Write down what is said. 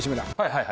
はい